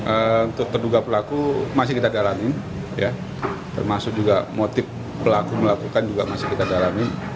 untuk terduga pelaku masih kita dalamin termasuk juga motif pelaku melakukan juga masih kita dalami